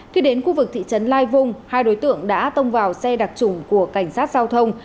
khi đến khu vực thị trấn lai vung hai đối tượng đã tông vào xe đặc trùng của cảnh sát giao thông